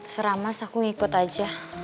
serah mas aku ngikut aja